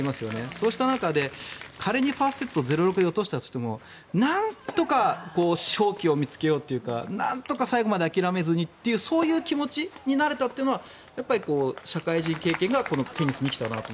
そうした中で仮にファーストセットを６ー０で落としたとしてもなんとか勝機を見つけようとかなんとか最後まで諦めずにという気持ちになれたのは社会人経験がテニスに生きたなと。